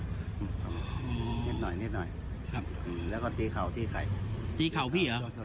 นิดหน่อยนิดหน่อยครับอืมแล้วก็ตีเข่าตีใครตีเข่าพี่เหรอ